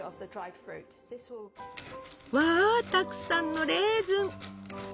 わたくさんのレーズン！